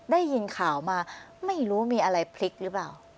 ได้ยินข่าวมาไม่รู้มีอะไรพลิกหรือเปล่า